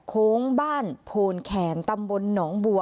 โค้งบ้านโพนแขนตำบลหนองบัว